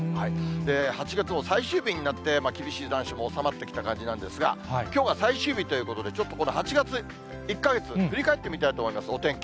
８月も最終日になって、厳しい残暑も収まってきた感じなんですが、きょうが最終日ということで、ちょっとこの８月１か月、振り返ってみたいと思います、お天気。